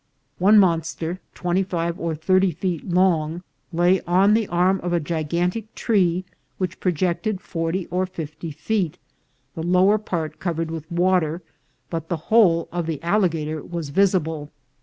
One mon ster, twenty five or thirty feet long, lay on the arm of a gigantic tree which projected forty or fifty feet, the lower part covered with water, but the whole of the alligator was 'visible.